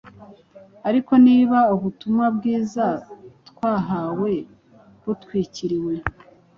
Ariko niba ubutumwa bwiza twahawe butwikiriwe,